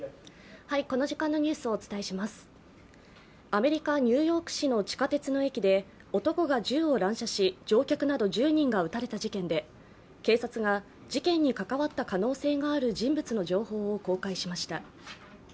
アメリカ・ニューヨーク市の地下鉄の駅で男が銃を乱射し乗客など１０人が撃たれた事件で警察が事件に関わった可能性がある人物の情報を公開しました。